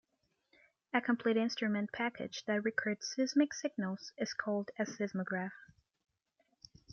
A complete instrument package that records seismic signals is called a seismograph.